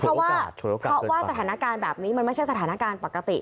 เพราะว่าเพราะว่าสถานการณ์แบบนี้มันไม่ใช่สถานการณ์ปกติ